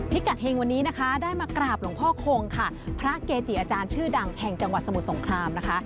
กัดเฮงวันนี้นะคะได้มากราบหลวงพ่อคงค่ะพระเกจิอาจารย์ชื่อดังแห่งจังหวัดสมุทรสงครามนะคะ